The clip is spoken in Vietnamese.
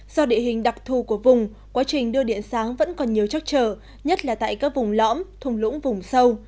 do địa hình đặc thù của vùng quá trình đưa điện sáng vẫn còn nhiều chắc trở nhất là tại các vùng lõm thùng lũng vùng sâu